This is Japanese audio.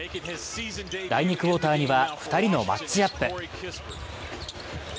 第２クオーターには２人のマッチアップ。